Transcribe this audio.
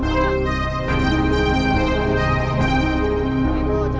kembali ke kota kota kota